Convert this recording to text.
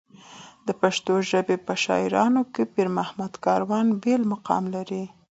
د پښتو ژبې په شاعرانو کې پېرمحمد کاروان بېل مقام لري.